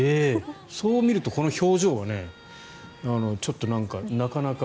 そう見るとこの表情はちょっとなかなか。